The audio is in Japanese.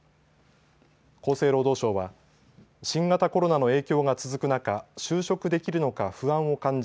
厚生労働省は新型コロナの影響が続く中、就職できるのか不安を感じ